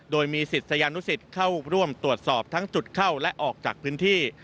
โดยมีศิษยานุสิตเข้าร่วมตรวจสอบทั้งจุดเข้าและออกจากพื้นที่